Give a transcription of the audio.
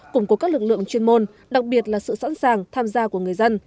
củng cố các lực lượng chuyên môn đặc biệt là sự sẵn sàng tham gia của người dân